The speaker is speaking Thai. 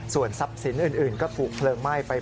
ส่วนทรัพย์สินอื่นก็ถูกเพลิงไหม้ไป